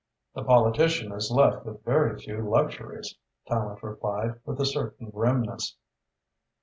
"The politician is left with very few luxuries," Tallente replied, with a certain grimness.